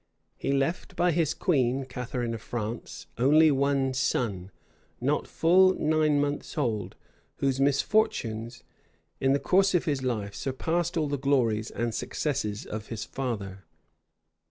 [*] He left by his queen, Catharine of France, only one son, not full nine months old; whose misfortunes, in the course of his life, surpassed all the glories and successes of his father.